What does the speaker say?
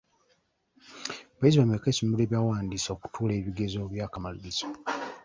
Bayizi bameka essomero lye baawandiisa okutuula ebigezo by'akamalirizo?